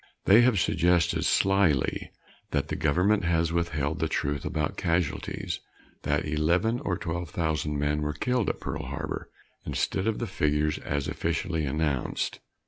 They have suggested slyly that the government has withheld the truth about casualties that eleven or twelve thousand men were killed at Pearl Harbor instead of the figures as officially announced.